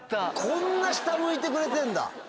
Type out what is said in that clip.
こんな下向いてくれてんだ。